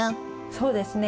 そうですね。